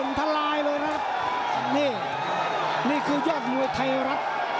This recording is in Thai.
โอ้โหโอ้โหโอ้โหโอ้โหโอ้โห